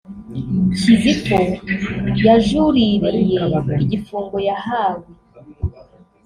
Kizito yajuririye igifungo yahawe